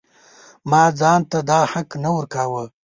ما ځان ته دا حق نه ورکاوه.